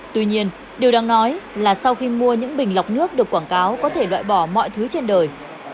tuy nhiên điều đáng nói là sau khi mua những bình lọc nước được quảng cáo có thể loại bỏ mọi thứ trên đời